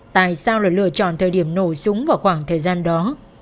tại sao lại lựa chọn thời điểm nổ súng vào khoảng thời gian đó